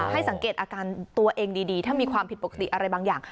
สังเกตอาการตัวเองดีถ้ามีความผิดปกติอะไรบางอย่าง